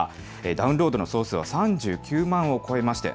ダウンロードの総数は３９万を超えまして